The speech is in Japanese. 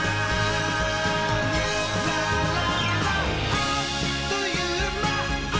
「あっというまっ！